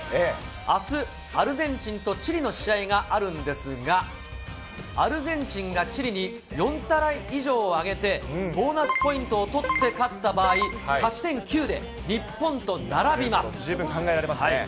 あす、アルゼンチンとチリの試合があるんですが、アルゼンチンがチリに４トライ以上挙げて、ボーナスポイントを取って勝った場合、勝ち点９で、日本と並びま十分考えられますね。